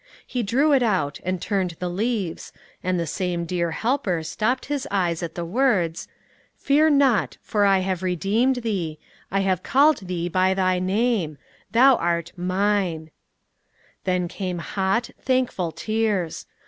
He drew it out, and turned the leaves, and the same dear Helper stopped his eyes at the words, "Fear not, for I have redeemed thee; I have called thee by thy name; thou art Mine." Then came hot, thankful tears.